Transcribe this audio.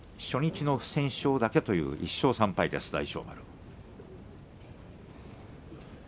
初日の不戦勝だけという大翔丸です。